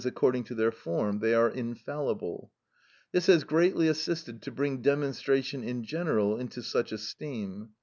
_, according to their form, they are infallible. This has greatly assisted to bring demonstration in general into such esteem.